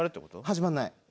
始まらない。